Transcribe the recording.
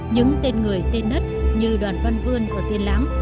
những tên người tên nất như đoàn văn vương ở tiên láng